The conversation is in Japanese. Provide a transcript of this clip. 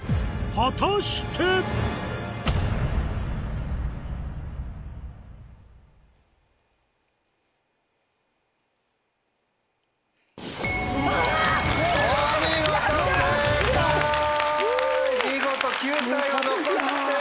果たして⁉あ！